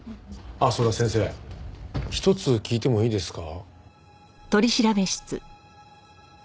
あっそうだ先生一つ聞いてもいいですか？